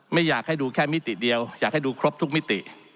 ไม่อยากให้ดูแค่มิติเดียวอยากให้ดูครบทุกมิติ